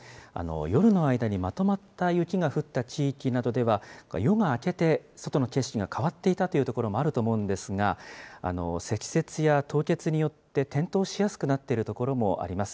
夜の間にまとまった雪が降った地域などでは、夜が明けて、外の景色が変わっていたという所もあると思うんですが、積雪や凍結によって、転倒しやすくなっている所もあります。